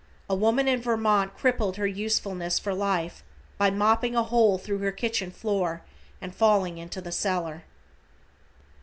A woman in Vermont crippled her usefulness for life, by mopping a hole thru her kitchen floor and falling into the cellar.